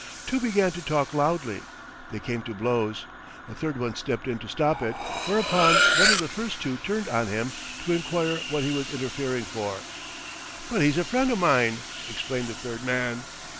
Two began to talk loudly. They came to blows. A third one stepped in to stop it, whereupon one of the first two turned on him to inquire what he was interfering for. "But he's a friend o' mine," explained the third man.